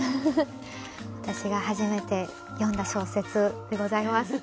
私が初めて読んだ小説でございます。